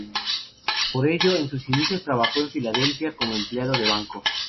Por ello, en sus inicios trabajó en Filadelfia como empleado de banco.